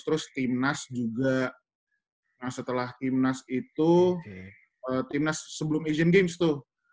terus timnas juga setelah timnas itu timnas sebelum asian games tuh